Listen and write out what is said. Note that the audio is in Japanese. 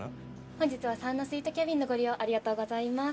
本日はサウナスイートキャビンのご利用ありがとうございます。